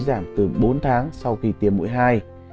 đã suy giảm từ bốn tháng sau khi tiêm mũi hai